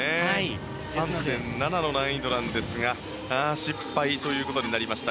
３．７の難易度なんですが失敗ということになりました。